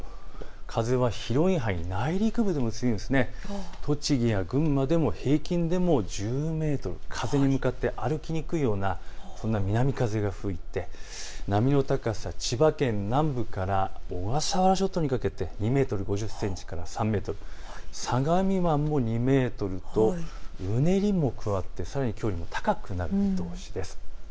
風は広い範囲、栃木や群馬でも平均でも１０メートル、風に向かって歩きにくいようなそんな南風が吹いて波の高さ、千葉県南部から小笠原諸島にかけて２メートル５０センチから３メートル、相模湾も２メートルとうねりも加わってさらにきょうよりも高くなる見通しです。